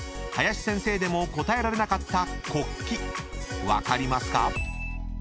［林先生でも答えられなかった国旗分かりますか？］